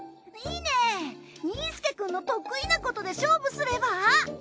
いいねにいすけくんの得意なことで勝負すれば？